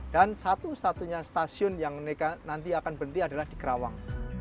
dan satu satunya stasiun yang nanti akan berhenti adalah di karawang